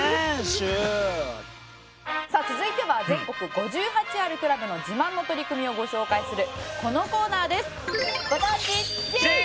さあ続いては全国５８あるクラブの自慢の取り組みをご紹介するこのコーナーです。